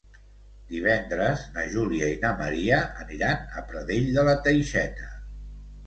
Divendres na Júlia i na Maria aniran a Pradell de la Teixeta.